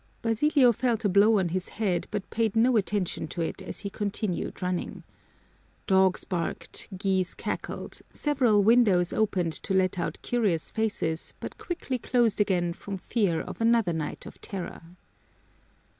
Basilio felt a blow on his head, but paid no attention to it as he continued running. Dogs barked, geese cackled, several windows opened to let out curious faces but quickly closed again from fear of another night of terror.